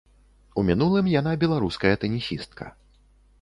У мінулым яна беларуская тэнісістка.